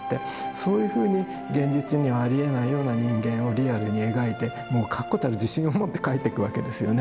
そういうふうに現実にはありえないような人間をリアルに描いてもう確固たる自信を持って描いていくわけですよね。